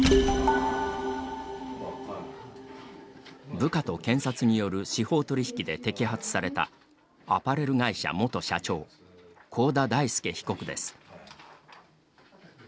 部下と検察による司法取引で摘発された、アパレル会社元社長幸田大祐被告です。